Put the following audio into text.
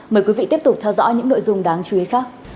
mời quý vị tiếp tục theo dõi những nội dung đáng chú ý khác